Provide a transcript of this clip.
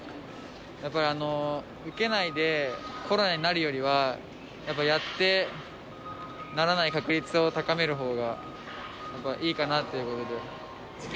やっぱ受けないでコロナになるよりは、やっぱやって、ならない確率を高めるほうがいいかなっていうことで。